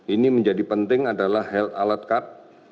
ini menjadi penting adalah health alert card